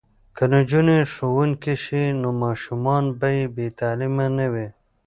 که نجونې ښوونکې شي نو ماشومان به بې تعلیمه نه وي.